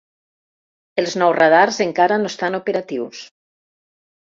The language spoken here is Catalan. Els nous radars encara no estan operatius.